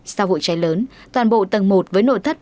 sau vụ cháy lớn toàn bộ tầng một với nội thất